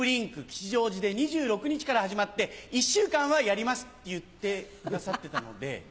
吉祥寺で２６日から始まって１週間はやりますって言ってくださってたので。